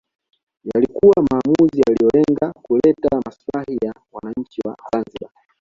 Yalikuwa maamuzi yaliyolenga kuleta maslahi ya wananchi wa Zanzibar